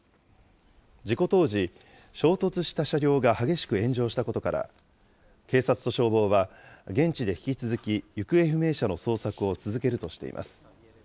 事故当時、衝突した車両が激しく炎上したことから、警察と消防は、現地で引き続き行方不明者の捜索を続けるとしています。